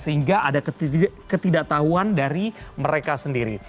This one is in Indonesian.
sehingga ada ketidaktahuan dari mereka sendiri